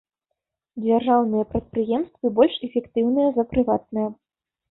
Дзяржаўныя прадпрыемствы больш эфектыўныя за прыватныя.